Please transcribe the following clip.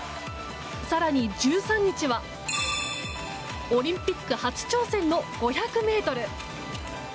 更に、１３日はオリンピック初挑戦の５００ｍ。